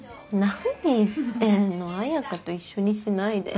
何言ってんの綾花と一緒にしないで。